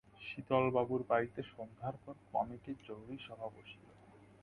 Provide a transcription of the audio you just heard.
শীতলবাবুর বাড়িতে সন্ধ্যার পর কমিটির জরুরি সভা বসিল।